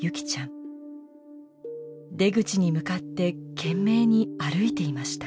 出口に向かって懸命に歩いていました。